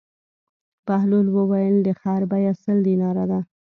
بهلول وویل: د خر بېه سل دیناره ده.